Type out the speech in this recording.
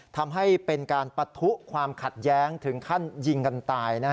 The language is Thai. ทำให้เป็นการปะทุความขัดแย้งถึงขั้นยิงกันตาย